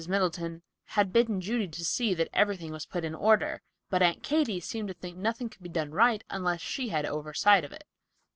Middleton had bidden Judy to see that everything was put in order, but Aunt Katy seemed to think nothing could be done right unless she had an oversight of it.